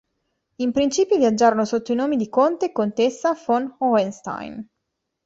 In principio viaggiarono sotto i nomi di Conte e Contessa von Hohenstein.